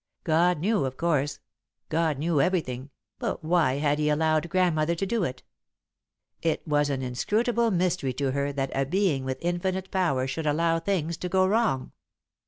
God knew, of course God knew everything, but why had He allowed Grandmother to do it? It was an inscrutable mystery to her that a Being with infinite power should allow things to go wrong.